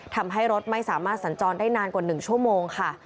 ทำให้รถไม่สามารถสัญจรได้นานกว่า๑ชั่วโมงค่ะ